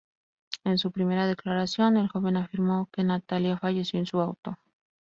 En su primera declaración, el joven afirmó que Natalia falleció en su auto.